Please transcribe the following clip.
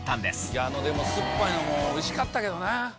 いやあの酸っぱいのもおいしかったけどな。